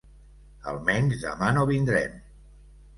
Almenys demà no vindrem.